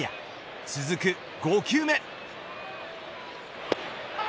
続く５球目。